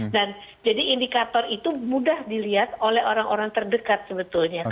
dan jadi indikator itu mudah dilihat oleh orang orang terdekat sebetulnya